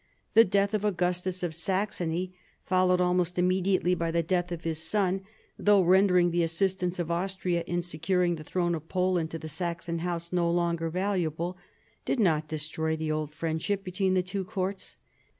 The death of Augustus of Saxony, followed almost immediately by the death of his son, though rendering the assistance of Austria in securing the throne of Poland to the Saxon House no longer valuable, did not destroy the old friendship between the two courts.